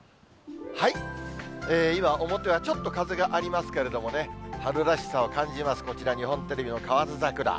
今、表はちょっと風がありますけれどもね、春らしさを感じます、こちら、日本テレビの河津桜。